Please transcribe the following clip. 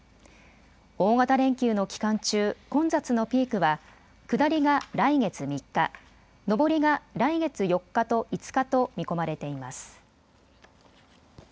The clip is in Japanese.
大型連休の期間中、混雑のピークは下りが来月３日、上りが来月４日と５日と見込まれています。